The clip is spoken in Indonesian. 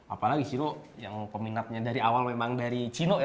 apalagi chino yang peminatnya dari awal memang dari chino ya